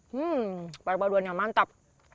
hmm perpaduannya mantap